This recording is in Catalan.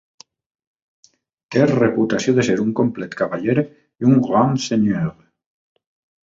Té reputació de ser un complet cavaller i un "grand seigneur".